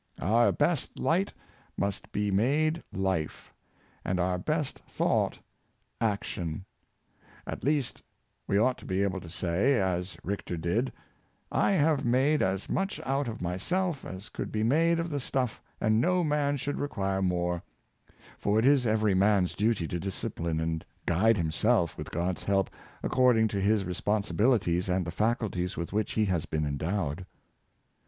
Our best light must be made life, and our best thought action. At least we ought to be able to say, as Richter did, " I have made as much out of my self as could be made of the stuff, and no man should require more;'' for it is every man's duty to discipline and guide himself, with God's help, according to his responsibilities and the faculties with which he has been endowed.